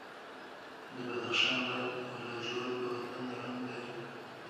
د بدخشان لعل او لاجورد د وطن رنګ دی.